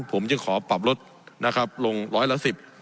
ผมจึงขอปรับลดลงร้อยละ๑๐